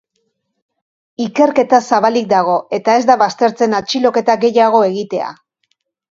Ikerketa zabalik dago, eta ez da baztertzen atxiloketa gehiago egitea.